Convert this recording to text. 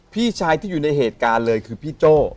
พี่ชายที่อยู่ในเหตุการณ์เลยคือพี่โจ้